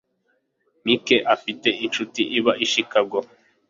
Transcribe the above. Mike afite inshuti iba i Chicago.